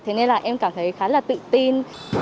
thế nên là em cảm thấy khá là tự tin